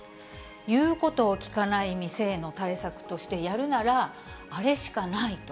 言うことを聞かない店への対策としてやるなら、あれしかないと。